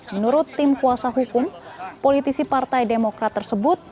menurut tim kuasa hukum politisi partai demokrat tersebut